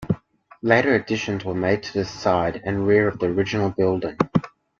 Later additions were made to the side and rear of the original building.